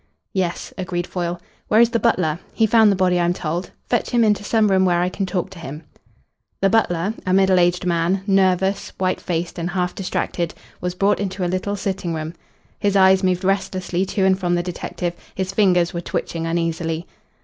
"Yes," agreed Foyle. "Where is the butler? He found the body, I'm told. Fetch him into some room where I can talk to him." The butler, a middle aged man, nervous, white faced and half distracted, was brought into a little sitting room. His eyes moved restlessly to and from the detective: his fingers were twitching uneasily.